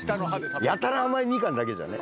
やたら甘いみかんだけじゃね。